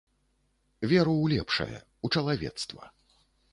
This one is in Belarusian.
Веру ў лепшае, у чалавецтва.